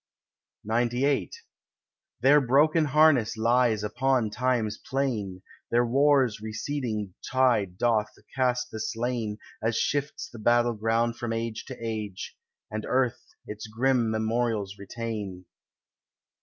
XCVIII Their broken harness lies upon time's plain, Their wars' receding tide doth cast the slain, As shifts the battle ground from age to age, And earth its grim memorials retain.